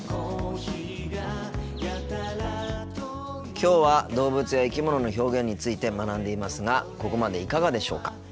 きょうは動物や生き物の表現について学んでいますがここまでいかがでしょうか。